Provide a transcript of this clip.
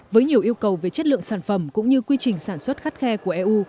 với nhiều yêu cầu về chất lượng sản phẩm cũng như quy trình sản xuất khắt khe của eu